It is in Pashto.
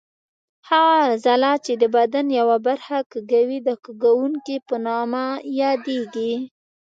هغه عضله چې د بدن یوه برخه کږوي د کږوونکې په نامه یادېږي.